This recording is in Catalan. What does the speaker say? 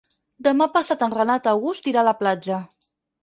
Demà passat en Renat August irà a la platja.